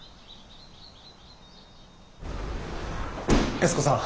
悦子さん。